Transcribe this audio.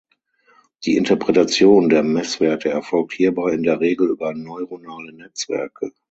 Die Interpretation der Messwerte erfolgt hierbei in der Regel über neuronale Netzwerke.